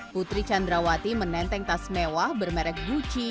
putri candrawati menenteng tas mewah bermerek gucci